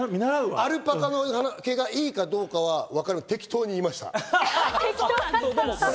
アルパカの毛がいいかどうかは今適当に言いました。